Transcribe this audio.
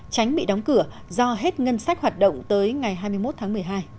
tránh bị đóng cửa do hết ngân sách hoạt động tới ngày hai mươi một tháng một mươi hai